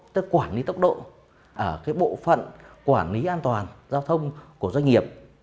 tức quản lý tốc độ ở bộ phận quản lý an toàn giao thông của doanh nghiệp